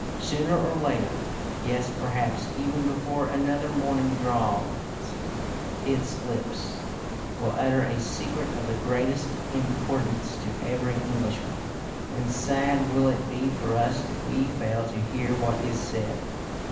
Sooner or later, yes, perhaps even before another morning dawns, its lips will utter a secret of the greatest importance to every Englishman. And sad will it be for us if we fail to hear what is said."